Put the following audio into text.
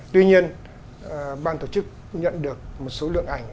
tuy nhiên ban tổ chức nhận được một số lượng ảnh